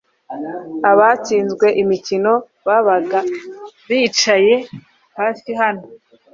abashinzwe imikino babaga bicaye hafi y’aho